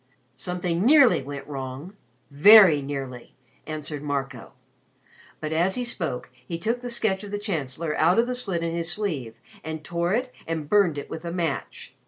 "Something nearly went wrong very nearly," answered Marco. But as he spoke he took the sketch of the Chancellor out of the slit in his sleeve and tore it and burned it with a match.